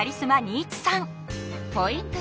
ポイント